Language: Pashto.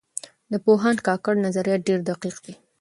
د پوهاند کاکړ نظریات ډېر دقیق دي.